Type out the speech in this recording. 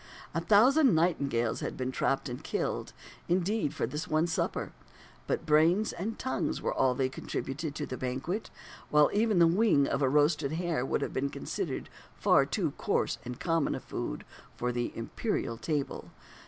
A thousand nightingales had been trapped and killed, indeed, for this one supper, but brains and tongues were all they contributed to the banquet; while even the wing of a roasted hare would have been considered far too coarse and common food for the imperial table."